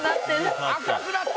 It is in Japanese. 赤くなった。